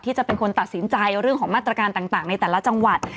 จะเป็นคนตัดสินใจเรื่องของมาตรการต่างในแต่ละจังหวัด